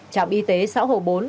trạm y tế xã hồ bốn